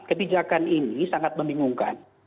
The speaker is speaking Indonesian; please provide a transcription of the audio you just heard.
ketijakan ini sangat membingungkan